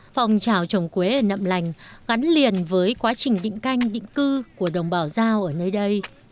phòng trào trồng quế ở nậm lành gắn liền với quá trình định canh định cư của đồng bào giao ở nơi đây